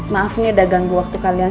maaf nih udah ganggu waktu kalian